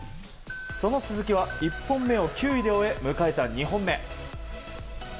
その鈴木は１本目を９位で終え迎えた２本目。